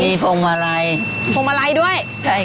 มีโฟนมารัยด้วย